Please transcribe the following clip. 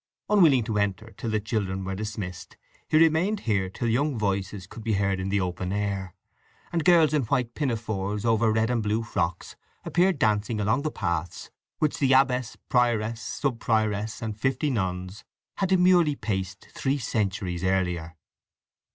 Unwilling to enter till the children were dismissed he remained here till young voices could be heard in the open air, and girls in white pinafores over red and blue frocks appeared dancing along the paths which the abbess, prioress, subprioress, and fifty nuns had demurely paced three centuries earlier.